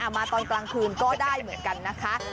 มาตอนกลางคืนก็ได้เหมือนกันนะคะ